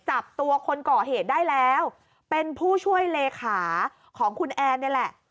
จับตัวคนก่อเหตุได้แล้วเป็นผู้ช่วยเลขาของคุณแอนนี่แหละ